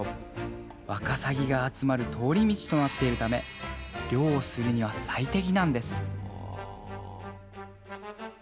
わかさぎが集まる通り道となっているため漁をするには最適なんです